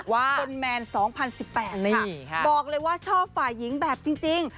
ว่าเป็นแมนสองพันสิบแปดค่ะนี่ค่ะบอกเลยว่าชอบฝ่ายหญิงแบบจริง